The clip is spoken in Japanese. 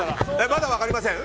まだ分かりません？